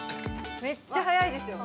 めっちゃ早いですよ。